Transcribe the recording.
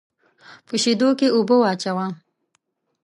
په شېدو کې اوبه واچوه.